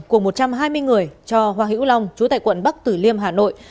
của một trăm hai mươi người cho hoa hữu long chú tại quận bắc tử liêm hà nội